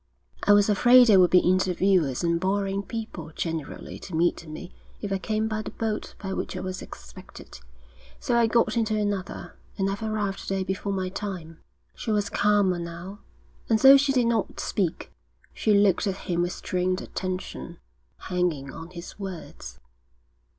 'I was afraid there would be interviewers and boring people generally to meet me if I came by the boat by which I was expected, so I got into another, and I've arrived a day before my time.' She was calmer now, and though she did not speak, she looked at him with strained attention, hanging on his words.